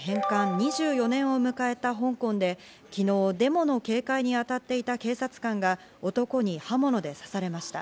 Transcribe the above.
２４年を迎えた香港で昨日、デモの警戒に当たっていた警察官が男に刃物で刺されました。